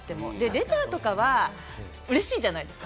レジャーとかは嬉しいじゃないですか。